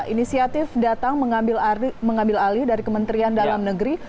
inisiatif datang mengambil alih dari kementerian dalam negeri